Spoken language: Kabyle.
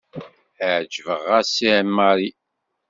Ɛejbeɣ-as i Marie.